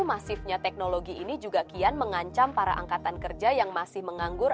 masifnya teknologi ini juga kian mengancam para angkatan kerja yang masih menganggur